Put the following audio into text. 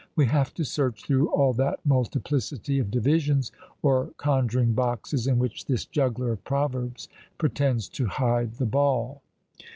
We have to search through all that multiplicity of divisions, or conjuring boxes, in which this juggler of proverbs pretends to hide the ball.